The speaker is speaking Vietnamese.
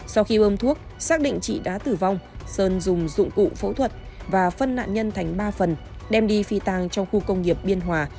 sau khi ôm thuốc xác định chị đã tử vong sơn dùng dụng cụ phẫu thuật và phân nạn nhân thành ba phần đem đi phi tàng trong khu công nghiệp biên hòa